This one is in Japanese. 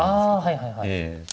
はいはいはい。